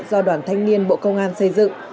do đoàn thanh niên bộ công an xây dựng